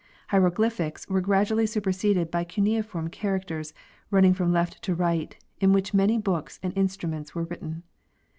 Hieroglyphics were gradually superseded by cuneiform char acters, running from left to right, in which many books and in struments were written.